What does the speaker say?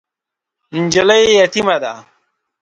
نجلۍ یتیمه ده .